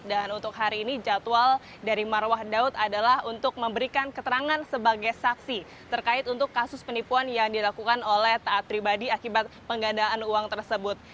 dan untuk hari ini jadwal dari mar wah daud adalah untuk memberikan keterangan sebagai saksi terkait untuk kasus penipuan yang dilakukan oleh taat pribadi akibat penggandaan uang tersebut